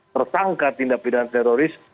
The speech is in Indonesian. tersangka tindak pidana teroris